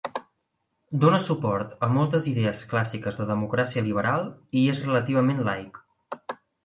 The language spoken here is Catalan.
Dona suport a moltes idees clàssiques de democràcia liberal i és relativament laic.